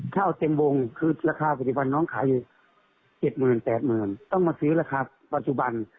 ถ้าเอาเต็มวงคือราคาปฏิบันน้องขาย๗๐๐๐๐๘๐๐๐๐ต้องมาซื้อราคาปัจจุบัน